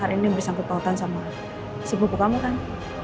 hari ini berisang pautan sama si bubu kamu kan